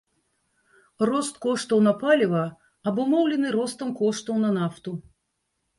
Рост коштаў на паліва абумоўлены ростам коштаў на нафту.